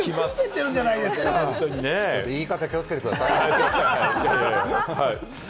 言い方、気をつけてくださいね。